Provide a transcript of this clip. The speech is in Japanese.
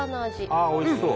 あっおいしそう。